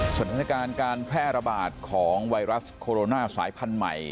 สถานการณ์การแพร่ระบาดของไวรัสโคโรนาสายพันธุ์ใหม่